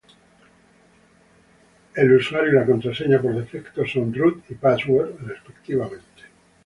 El usuario y la contraseña por defectos son "root" y "password" respectivamente.